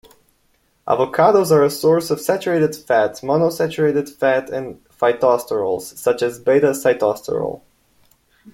Avocados are a source of saturated fat, monounsaturated fat and phytosterols, such as beta-sitosterol.